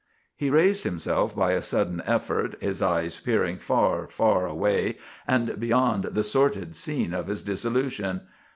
He raised himself by a sudden effort, his eyes peering far, far away and beyond the sordid scene of his dissolution.